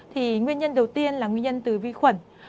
thì nguyên nhân đầu tiên là nguyên nhân từ vi khuẩn